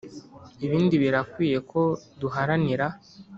ibindi birakwiye ko duharanira